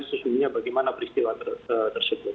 sesungguhnya bagaimana peristiwa tersebut